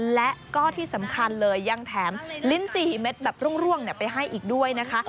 และก็ที่สำคัญเลยยังแถมลิ้นจี่เม็ดแบบร่วงไปให้อีกด้วยนะคะ